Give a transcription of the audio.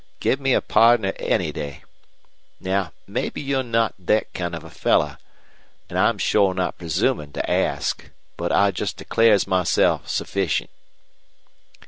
Give me a pardner any day. Now, mebbe you're not thet kind of a feller, an' I'm shore not presumin' to ask. But I just declares myself sufficient."